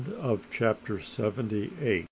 CHAPTER SEVENTY NINE.